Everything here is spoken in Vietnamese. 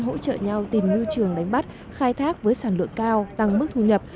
hỗ trợ nhau tìm ngư trường đánh bắt khai thác với sản lượng cao tăng mức thu nhập